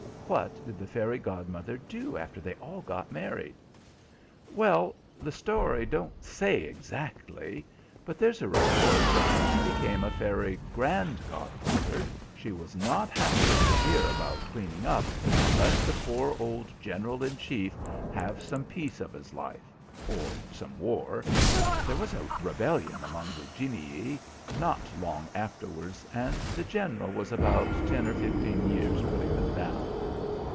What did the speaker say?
What did the fairy godmother do after they all got married?" "Well, the story don't say exactly. But there's a report that when she became a fairy grandgodmother, she was not half so severe about cleaning up, and let the poor old General in Chief have some peace of his life or some war. There was a rebellion among the genii not long afterwards, and the General was about ten or fifteen years putting them down."